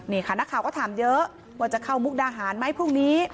นี่ค่ะนักข่าวก็ถามเยอะว่าจะเข้ามุกดาหารไหมพรุ่งนี้